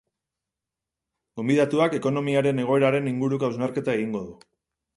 Gonbidatuak ekonomiaren egoeraren inguruko hausnarketa egingo du.